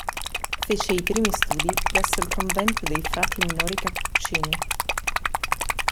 Fece i primi studi presso il convento dei frati minori cappuccini.